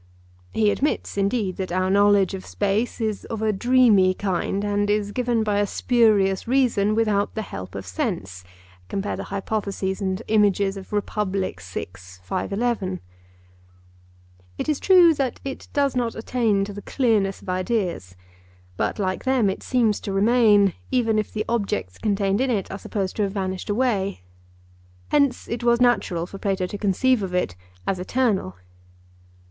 He admits indeed that our knowledge of space is of a dreamy kind, and is given by a spurious reason without the help of sense. (Compare the hypotheses and images of Rep.) It is true that it does not attain to the clearness of ideas. But like them it seems to remain, even if all the objects contained in it are supposed to have vanished away. Hence it was natural for Plato to conceive of it as eternal.